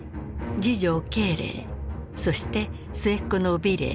次女慶齢そして末っ子の美齢。